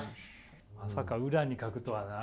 まさか裏に書くとはな。